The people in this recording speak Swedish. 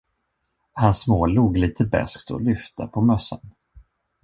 Han smålog lite beskt och lyfte på mössan.